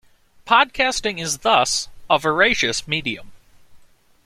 Podcasting is thus a voracious medium.